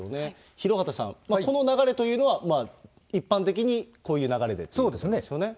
廣畑さん、この流れというのは、まあ一般的にこういう流れでということですよね。